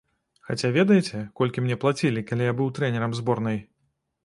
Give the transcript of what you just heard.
Хаця ведаеце, колькі мне плацілі, калі я быў трэнерам зборнай?